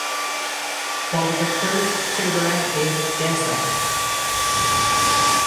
Of the two, childrenite is denser.